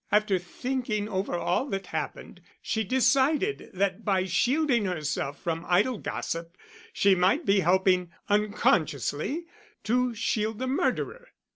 After thinking over all that happened, she decided that by shielding herself from idle gossip she might be helping unconsciously to shield the murderer."